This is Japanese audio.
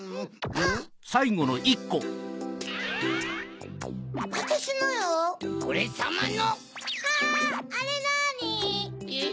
えっ？